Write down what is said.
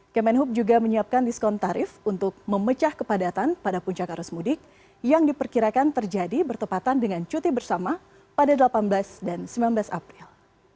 kemenhub juga menyiapkan diskon tarif untuk memecah kepadatan pada puncak arus mudik yang diperkirakan terjadi bertepatan dengan cuti bersama pada delapan belas dan sembilan belas april